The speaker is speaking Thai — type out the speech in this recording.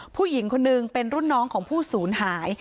ผู้หญิงคนนึงเป็นรุ่นน้องของผู้ศูนย์หาย